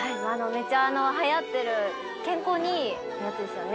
めちゃはやってる健康にいいやつですよね。